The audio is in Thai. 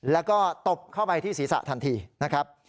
แล้วก็ตบเข้าไปที่ศีรษะทันทีนะครับ